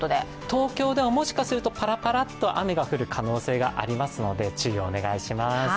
東京ではもしかするとパラパラッと雨が降る可能性がありますので注意をお願いします。